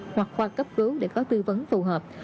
hoặc khoa cấp cứu để có tư vấn phù hợp